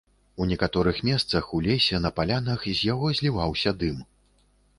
У некаторых месцах, у лесе, на палянах, з яго зліваўся дым.